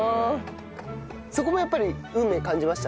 そこもやっぱり運命感じました？